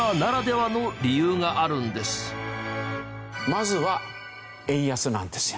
まずは円安なんですよ。